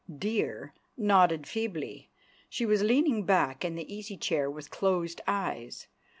"Dear" nodded feebly. She was leaning back in the easy chair with closed eyes.